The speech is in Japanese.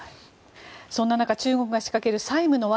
そんな中、中国が仕掛ける債務の罠。